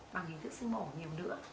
bằng hình thức sinh mổ nhiều nữa